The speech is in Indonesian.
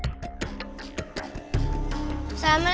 nah ini sudah hancur